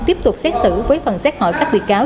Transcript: tiếp tục xét xử với phần xét hỏi các bị cáo